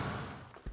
dua dari petugas